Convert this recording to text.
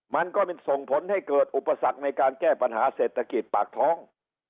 มันก็ส่งผลให้เกิดอุปสรรคในการแก้ปัญหาเศรษฐกิจปากท้อง